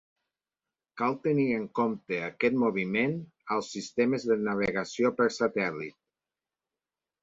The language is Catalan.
Cal tenir en compte aquest moviment als sistemes de navegació per satèl·lit.